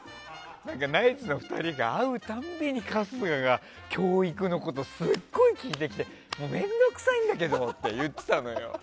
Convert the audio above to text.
ナイツの２人が、会うたびに春日が教育のことすっごい聞いてきて面倒くさいんだけどって言ってたのよ。